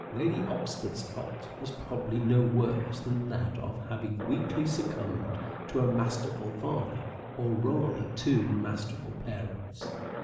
Lady Oxford's fault was probably no worse than that of having weakly succumbed to a masterful father, or rather two masterful parents.